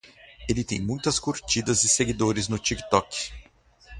Ele tem muitas curtidas e seguidores no TikTok